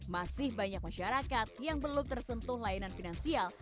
masih banyak masyarakat yang belum tersentuh layanan finansial